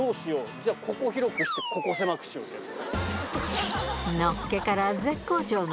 じゃあここ広くしてここ狭くしようってやつ。